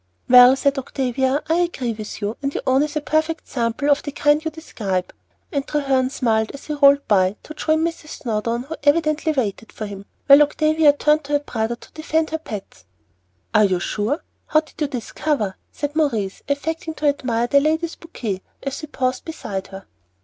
"Well said, Octavia. I agree with you, and your own is a perfect sample of the kind you describe." And Treherne smiled as he rolled by to join Mrs. Snowdon, who evidently waited for him, while Octavia turned to her brother to defend her pets. "Are you sure? How did you discover?" said Maurice, affecting to admire the lady's bouquet, as he paused beside her.